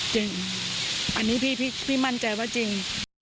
จริงอันนี้พี่มั่นใจว่าจริง